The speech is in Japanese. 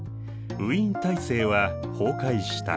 ウィーン体制は崩壊した。